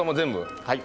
はい。